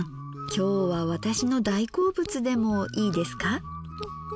今日は私の大好物でもいいですか。